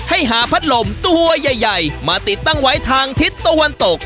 หาพัดลมตัวใหญ่มาติดตั้งไว้ทางทิศตะวันตก